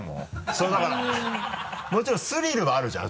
そうだからもちろんスリルはあるじゃん。